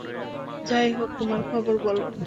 যাইহোক, তোমার খবর বলো?